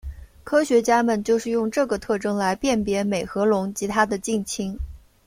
科学家们就是用这个特征来辨别美颌龙及它的近亲。